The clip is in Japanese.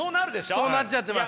そうなっちゃってます。